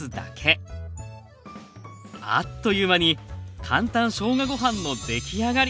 あっという間に簡単しょうがご飯の出来上がり！